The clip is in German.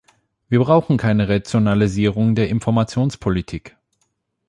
Wir brauchen keine Renationalisierung der Informationspolitik.